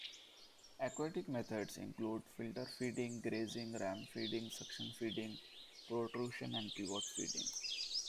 Aquatic methods include filterfeeding, grazing, ram feeding, suction feeding, protrusion and pivot feeding.